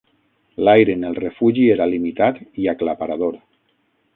L'aire en el refugi era limitat i aclaparador.